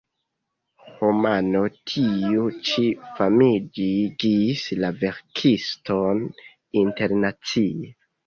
Romano tiu ĉi famigis la verkiston internacie.